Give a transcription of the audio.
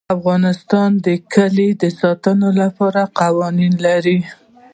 افغانستان د کلي د ساتنې لپاره قوانین لري.